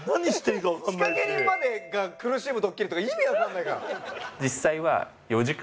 仕掛け人までが苦しむドッキリとか意味わかんないから。